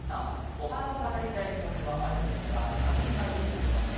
お花を飾りたい気持ちはあるんですが花瓶が家にありません。